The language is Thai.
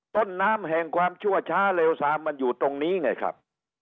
ต้นน้ำแห่งความชั่วช้าเลวซามมันอยู่ตรงนี้ไงครับ